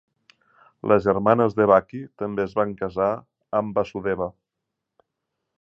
Les germanes Devaki també es van casar amb Vasudeva.